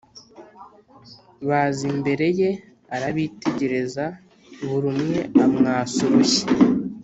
baza imbereye arabitegereza burumwe amwasa urushyi